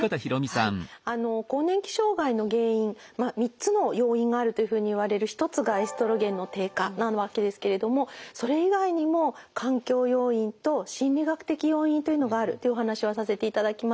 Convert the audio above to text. はい更年期障害の原因３つの要因があるというふうにいわれる一つがエストロゲンの低下なわけですけれどもそれ以外にも環境要因と心理学的要因というのがあるというお話はさせていただきました。